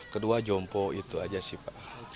kedua jompo itu aja sih pak